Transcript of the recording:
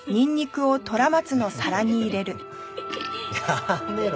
やめろ！